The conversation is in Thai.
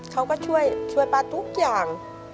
เขาก็ช่วยป้าทุกอย่าง